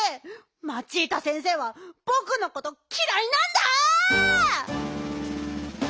マチータ先生はぼくのこときらいなんだ！